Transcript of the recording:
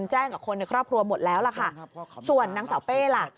แจ้งกับคนในครอบครัวหมดแล้วล่ะค่ะส่วนนางสาวเป้ล่ะ